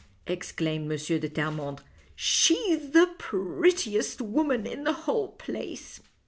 exclaimed M. de Terrcmondre, " she's the prettiest woman in the whole place."